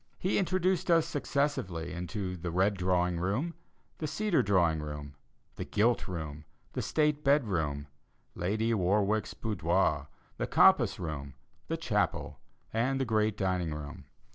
He introduced us successively into the "Red Drawing Room," "The Cedar Drawing Room," "The Gilt Room," "The State Bed Room," "Lady Warwick's Boudoir," "The Compass Room," "The Chapel," and "The Great Dining Room."